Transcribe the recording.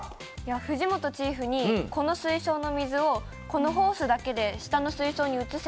藤本チーフにこの水槽の水をこのホースだけで下の水槽に移せって言われたんです。